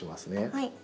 はい。